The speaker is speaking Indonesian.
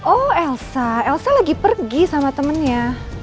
oh elsa elsa lagi pergi sama temennya